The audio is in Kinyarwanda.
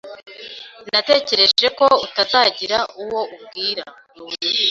Natekereje ko utazagira uwo ubwira.